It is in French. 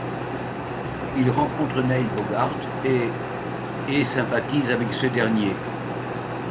Il rencontre Neil Bogart et et sympathise avec ce dernier.